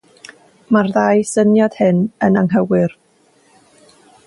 Mae'r ddau syniad hyn yn anghywir.